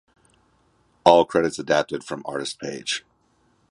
All credits adapted from artist page.